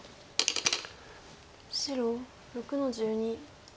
白６の十二。